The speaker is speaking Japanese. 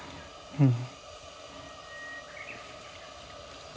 うん。